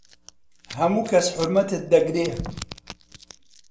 هەموو کەس حورمەتت دەگرێ